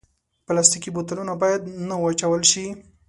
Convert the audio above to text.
پلاستيکي بوتلونه باید نه واچول شي.